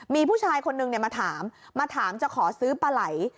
มีผู้ชายคนนึงมาถามมาถามจะขอซื้อปลาไหล่